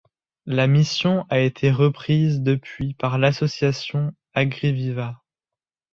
La mission a été reprise depuis par l'association Agriviva.